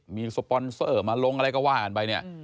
มีสปอนเซอร์มาลงอะไรก็ว่ากันไปเนี่ย